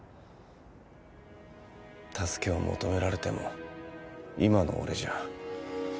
助けを求められても今の俺じゃ。